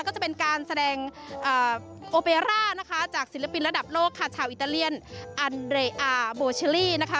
ก็จะเป็นการแสดงโอเปร่านะคะจากศิลปินระดับโลกค่ะชาวอิตาเลียนอันเรอาโบเชอรี่นะคะ